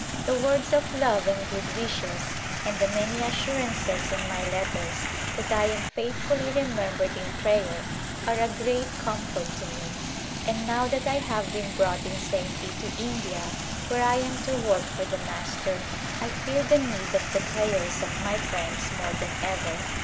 The words of love and good wishes and the many assur ances in my letters that I am faithfully remembered in prayer are a great comfort to me, and now that I have been brought in safety to India where I am to work for the Master I feel the need of the prayers of my friends more than ever.